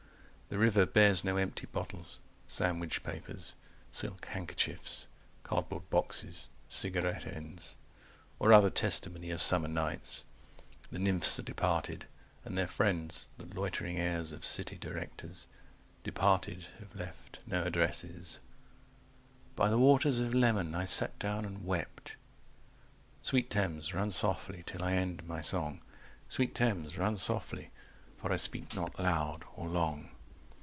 The river bears no empty bottles, sandwich papers, Silk handkerchiefs, cardboard boxes, cigarette ends Or other testimony of summer nights. The nymphs are departed. And their friends, the loitering heirs of city directors; 180 Departed, have left no addresses. By the waters of Leman I sat down and wept… Sweet Thames, run softly till I end my song, Sweet Thames, run softly, for I speak not loud or long.